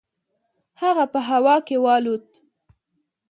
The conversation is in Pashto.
هغه په هوا کې والوت.